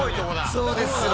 そうですよね。